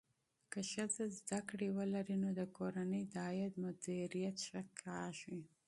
که ښځه زده کړه ولري، نو د کورنۍ د عاید مدیریت ښه کېږي.